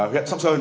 huyện sóc sơn